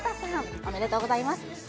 おめでとうございます。